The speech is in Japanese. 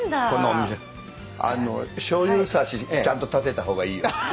このお店しょうゆ差しちゃんと立てた方がいいよ。